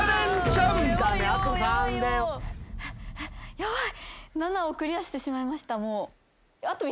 ヤバい。